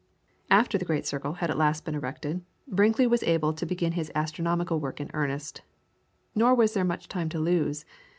After the great circle had been at last erected, Brinkley was able to begin his astronomical work in earnest. Nor was there much time to lose.